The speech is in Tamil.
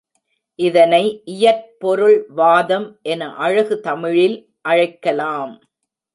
இதனை இயற் பொருள் வாதம் என அழகு தமிழில் அழைக்கலாம்.